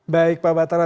baik pak batara